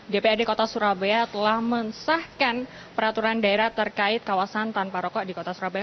dprd kota surabaya telah mensahkan peraturan daerah terkait kawasan tanpa rokok di kota surabaya